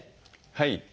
はい。